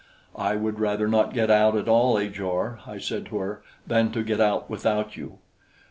"I would rather not get out at all, Ajor," I said to her, "than to get out without you."